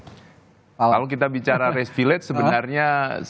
kalau kita bicara res village sebenarnya